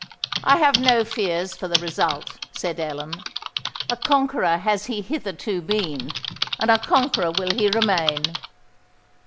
"I have no fears for the result," said Ellen: "a conqueror has he hitherto been—and a conqueror will he remain!